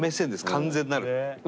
完全なる。